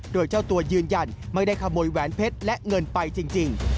โดยเจ้าตัวยืนยันไม่ได้ขโมยแหวนเพชรและเงินไปจริง